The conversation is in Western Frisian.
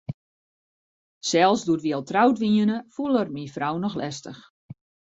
Sels doe't wy al troud wiene, foel er myn frou noch lestich.